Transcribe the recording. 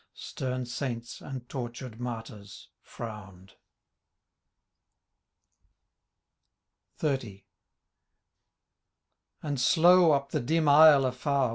Stem saints and tortured martyrs frownM. XXX. And slow up the dim aisle aiar.